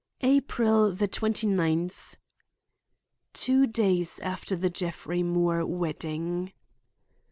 "April the twenty ninth." Two days after the Jeffrey Moore wedding!